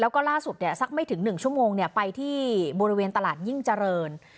แล้วก็ล่าสุดสักไม่ถึง๑ชั่วโมงไปที่บริเวณตลาดยิ่งเจริญ